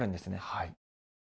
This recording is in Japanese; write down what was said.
はい。